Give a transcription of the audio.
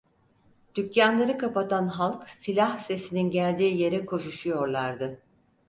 Dükkânları kapatan halk silah sesinin geldiği yere koşuşuyorlardı.